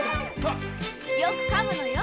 よく噛むのよ。